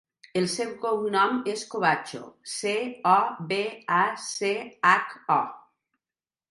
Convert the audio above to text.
El seu cognom és Cobacho: ce, o, be, a, ce, hac, o.